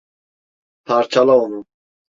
Parçala onu!